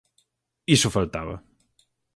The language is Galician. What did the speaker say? Iso faltaba.